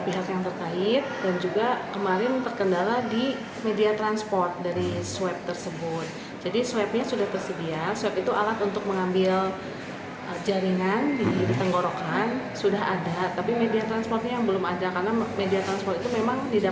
pihak rsud subang juga meminta warga untuk tidak panik dan tetap menjaga kebersihan serta ketahanan atau residenya